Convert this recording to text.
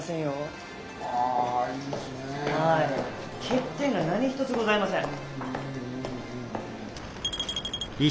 欠点が何一つございません。